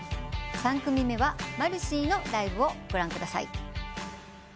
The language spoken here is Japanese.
３組目はマルシィのライブをご覧ください。